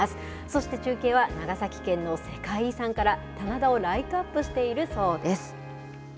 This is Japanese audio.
そして中継は長崎県の世界遺産から、棚田をライトアップしているそうです。